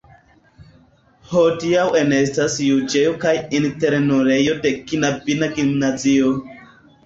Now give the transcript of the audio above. Hodiaŭ enestas juĝejo kaj internulejo de knabina gimnazio.